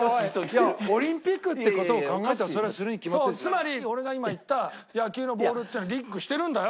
つまり俺が今言った野球のボールっていうのはリンクしてるんだよ！